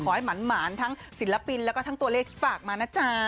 หมานทั้งศิลปินแล้วก็ทั้งตัวเลขที่ฝากมานะจ๊ะ